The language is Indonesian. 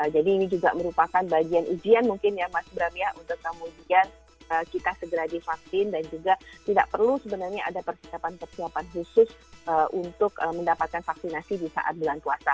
jadi ini juga merupakan bagian ujian mungkin ya mas bram ya untuk kemudian kita segera divaksin dan juga tidak perlu sebenarnya ada persiapan persiapan khusus untuk mendapatkan vaksinasi di saat bulan puasa